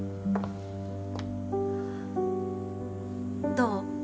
どう？